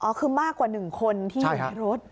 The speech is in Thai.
อ๋อคือมากกว่า๑คนที่มีในรถ